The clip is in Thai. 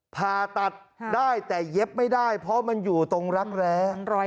ผ่าตัดได้แต่เย็บไม่ได้เพราะมันอยู่ตรงรักแร้